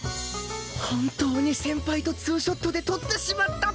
本当に先輩とツーショットで撮ってしまった！